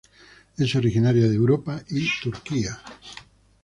Es originaria de Europa y Turquía.